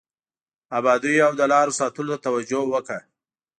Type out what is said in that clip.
ابادیو او د لارو ساتلو ته توجه وکړه.